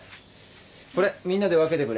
これみんなで分けてくれ。